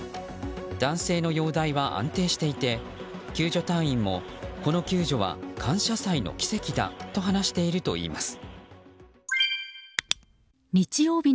男性の容体は安定していて救助隊員もこの救助は感謝祭の奇跡だと話しているといいます。